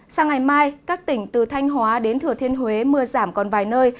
sang ngày mai các tỉnh từ thanh hóa đến thừa thiên huế mưa giảm còn vài nơi